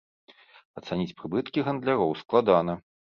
Ацаніць прыбыткі гандляроў складана.